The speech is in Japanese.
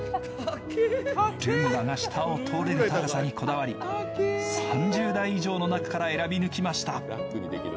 ルンバが下を通れる高さにこだわり、３０台以上の中から選び抜きました。